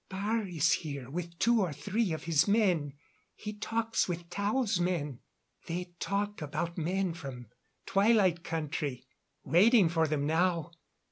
"Baar is here with two or three of his men. He talks with Tao's men. They talk about men from Twilight Country. Waiting for them now.